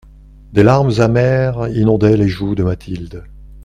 Des larmes amères inondaient les joues de Mathilde.